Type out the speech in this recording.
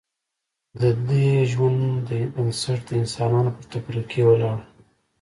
ددې ژوند بنسټ د انسانانو پر تفرقې ولاړ و